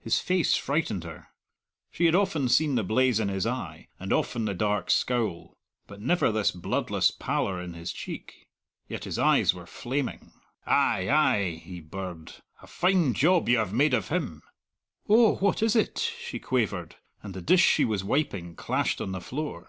His face frightened her. She had often seen the blaze in his eye, and often the dark scowl, but never this bloodless pallor in his cheek. Yet his eyes were flaming. "Ay, ay," he birred, "a fine job you have made of him!" "Oh, what is it?" she quavered, and the dish she was wiping clashed on the floor.